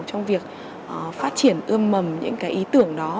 trong việc phát triển ương mầm những ý tưởng đó